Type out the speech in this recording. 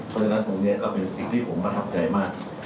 เพราะฉะนั้นตรงนี้ก็เป็นสิ่งที่ผมประทับใจมาก